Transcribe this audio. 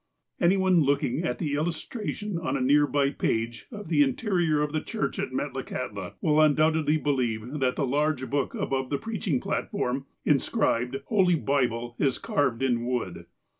Any one looking at the illustration on a near by page, of the interior of the church at Metlakahtla, will undoubt edly believe that the large book above the preaching plat form inscribed '' Holy Bible '' is carved in wood.